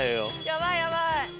やばいやばい。